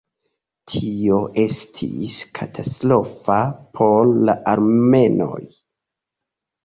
Tio estis katastrofa por la armenoj.